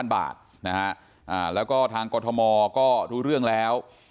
๓๐๐๐บาทนะฮะอ่าแล้วก็ทางกรทมก็รู้เรื่องแล้ว